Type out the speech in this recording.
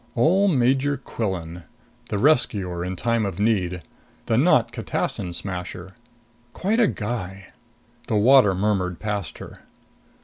Ole Major Quillan. The rescuer in time of need. The not catassin smasher. Quite a guy. The water murmured past her.